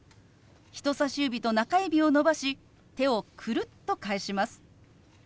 人さし指と中指を伸ばし手をくるっと返します。